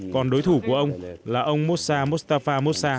còn đối thủ của ông là ông moussa mustafa moussa